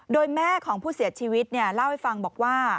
โดยแม่ของผู้เสียชีวิตเล่าให้ฟังบอกว่า